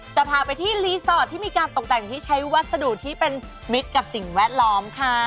จะพาไปที่รีสอร์ทที่มีการตกแต่งที่ใช้วัสดุที่เป็นมิตรกับสิ่งแวดล้อมค่ะ